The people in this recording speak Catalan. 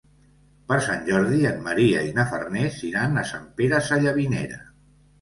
Per Sant Jordi en Maria i na Farners iran a Sant Pere Sallavinera.